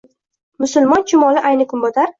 Musulmon chumoli ayni kunbotar.